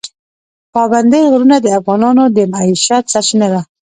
پابندی غرونه د افغانانو د معیشت سرچینه ده.